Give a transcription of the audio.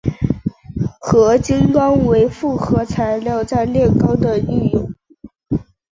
合金钢为复合材料在炼钢的运用。